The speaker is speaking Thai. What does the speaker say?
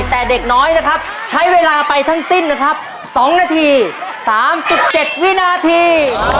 แต่เด็กน้อยนะครับใช้เวลาไปทั้งสิ้นนะครับสองนาฬิกาสามสุดเจ็ดวินาที